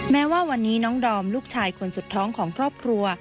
แม้ว่าวันนี้น้องดอมลูกชายคนสุดท้องของครอบครัว